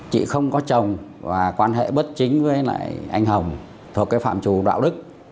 chị không có chồng và quan hệ bất chính với lại anh hồng thuộc cái phạm trù đạo đức